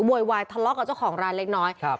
โวยวายทะเลาะกับเจ้าของร้านเล็กน้อยครับ